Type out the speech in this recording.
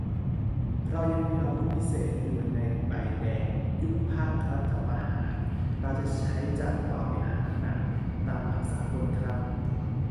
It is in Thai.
เรายังมีอาวุธพิเศษอยู่ ใบแดง ยุบพรรค รัฐประหาร เราจะใช้จากเบาไปหาหนัก ตามหลักสากลครับ